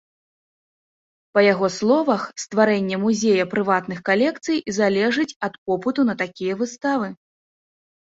Па яго словах, стварэнне музея прыватных калекцый залежыць ад попыту на такія выставы.